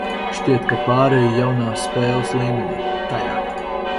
Šķiet, ka pāreju jaunā spēles līmenī, tajā.